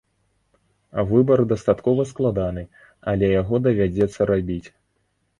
Выбар дастаткова складаны, але яго давядзецца рабіць.